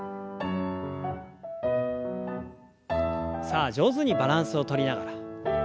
さあ上手にバランスをとりながら。